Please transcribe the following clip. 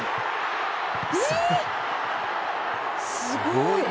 「すごい！」